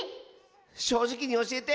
しょうじきにおしえて。